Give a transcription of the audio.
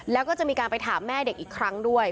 แล้วก็จะมีการไปถามแม่เด็กอีกครั้งด้วย